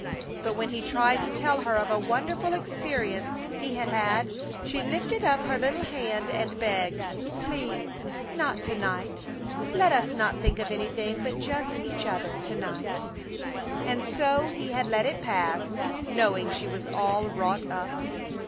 But when he tried to tell her of a wonderful experience he had had she lifted up her little hand and begged: "Please, not to night! Let us not think of anything but just each other to night!" And so he had let it pass, knowing she was all wrought up.